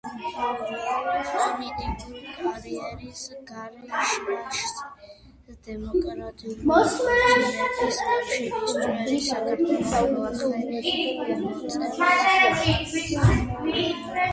პოლიტიკური კარიერის გარიჟრაჟზე „დემოკრატიული აღორძინების კავშირის“ წევრი, საქართველოს მეოთხე მოწვევის პარლამენტის დეპუტატი.